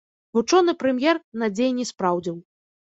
Вучоны прэм'ер надзей не спраўдзіў.